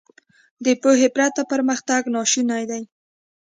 • د پوهې پرته پرمختګ ناشونی دی.